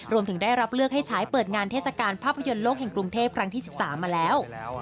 รวมถึงได้รับเลือกให้ใช้เปิดงานเทศกาลภาพยนตร์โลกแห่งกรุงเทพครั้งที่๑๓มาแล้ว